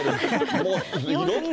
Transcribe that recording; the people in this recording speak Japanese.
もういろんな。